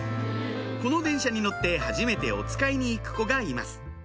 この電車に乗ってはじめておつかいに行く子がいます